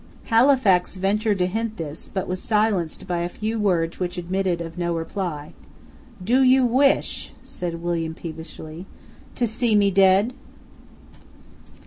Halifax ventured to hint this, but was silenced by a few words which admitted of no reply. "Do you wish," said William peevishly, "to see me dead?"